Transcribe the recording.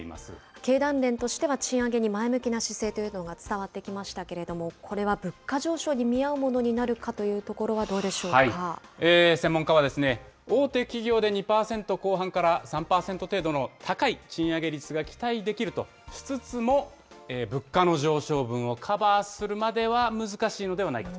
経団連としては賃上げに前向きな姿勢というのが伝わってきましたけれども、これは物価上昇に見合うものになるかというところ専門家は、大手企業で２％後半から３％程度の高い賃上げ率が期待できるとしつつも、物価の上昇分をカバーするまでは難しいのではないかと。